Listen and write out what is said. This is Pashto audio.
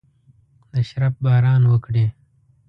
د شرپ باران وکړي